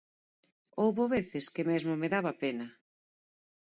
Houbo veces que mesmo me daba pena.